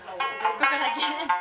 ここだけ。